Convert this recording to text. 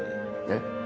えっ？